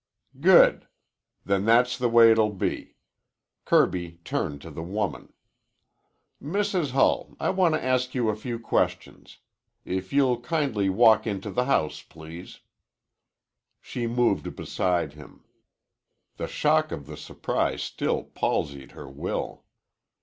"Good. Then that's the way it'll be." Kirby turned to the woman. "Mrs. Hull, I want to ask you a few questions. If you'll kindly walk into the house, please." She moved beside him. The shock of the surprise still palsied her will.